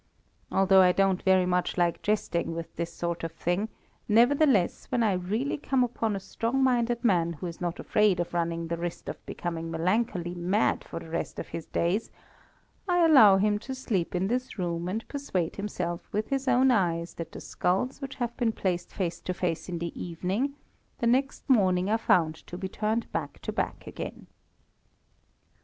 Although I don't very much like jesting with this sort of thing, nevertheless when I really come upon a strong minded man who is not afraid of running the risk of becoming melancholy mad for the rest of his days, I allow him to sleep in this room and persuade himself with his own eyes that the skulls which have been placed face to face in the evening, the next morning are found to be turned back to back again.